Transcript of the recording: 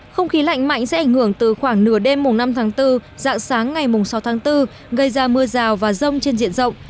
không khí lạnh mạnh sẽ ảnh hưởng từ khoảng nửa đêm năm tháng bốn dạng sáng ngày sáu tháng bốn gây ra mưa rào và rông trên diện rộng